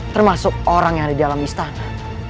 termasuk orang yang ada di dalam istana